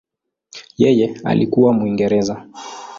Yeye alikuwa Mwingereza.